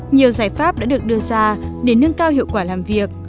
nhiều giải pháp đã được đưa ra để nâng cao hiệu quả làm việc